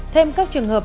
thêm các trường hợp